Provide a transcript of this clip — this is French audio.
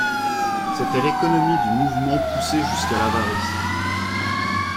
C’était l’économie du mouvement poussée jusqu’à l’avarice.